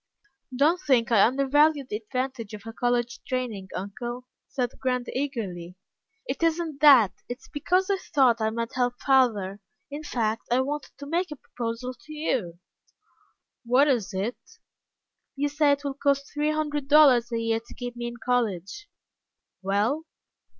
"Don't think I undervalue the advantage of a college training, uncle," said Grant, eagerly. "It isn't that. It's because I thought I might help father. In fact, I wanted to make a proposal to you." "What is it?" "You say it will cost three hundred dollars a year to keep me in college?" "Well?"